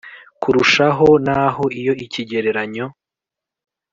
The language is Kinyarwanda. Kurushaho naho iyo ikigereranyo